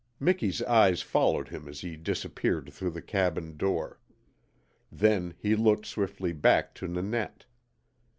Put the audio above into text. Miki's eyes followed him as he disappeared through the cabin door. Then he looked swiftly back to Nanette.